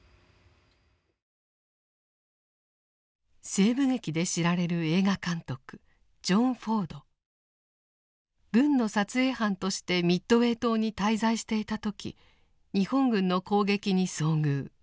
西部劇で知られる軍の撮影班としてミッドウェー島に滞在していた時日本軍の攻撃に遭遇。